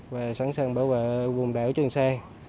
và sẵn sàng bảo vệ quần đảo trường xa